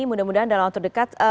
mudah mudahan dalam waktu dekat